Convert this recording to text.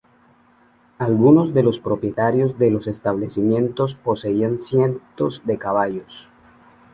Algunos de los propietarios de los establecimientos poseían cientos de caballos.